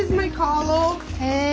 へえ。